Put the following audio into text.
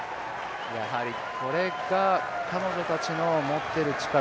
やはりこれが彼女たちの持っている力